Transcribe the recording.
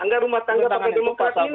anggaran rumah tangga partai demokrat ini